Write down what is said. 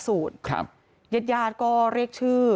พอลูกเขยกลับเข้าบ้านไปพร้อมกับหลานได้ยินเสียงปืนเลยนะคะ